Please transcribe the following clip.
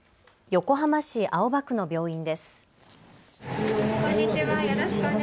横浜市青葉区の病院です。